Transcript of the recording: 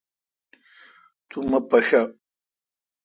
تو مہ پاݭہ۔